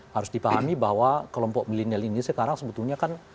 harus dipahami bahwa kelompok milenial ini sekarang sebetulnya kan